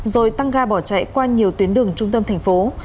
rồi tăng ga bỏ chạy qua nhiều tuyến đường trung tâm thành phố